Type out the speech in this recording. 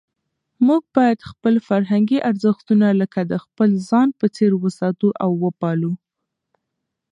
موږ باید خپل فرهنګي ارزښتونه لکه د خپل ځان په څېر وساتو او وپالو.